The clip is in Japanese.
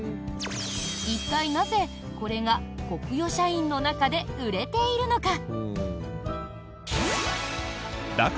一体なぜこれがコクヨ社員の中で売れているのか。